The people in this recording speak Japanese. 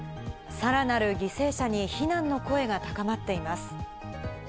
さらなる犠牲者に非難の声が高まっています。